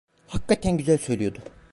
Hakikaten güzel söylüyordu.